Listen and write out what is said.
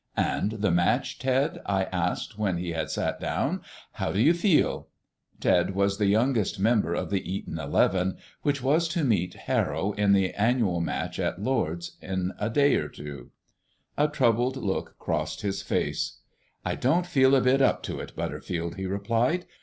"And the match, Ted?" I asked, when he had sat down; "how do you feel?" Ted was the youngest member of the Eton eleven, which was to meet Harrow in the annual match at Lord's in a day or two. A troubled look crossed his face. "I don't feel a bit up to it, Butterfield," he replied.